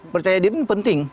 percaya diri penting